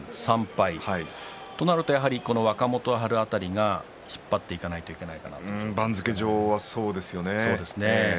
そうなると若元春辺りが引っ張っていかないと番付上はそうですね。